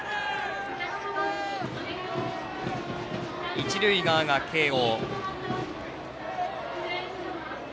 一塁側が慶応。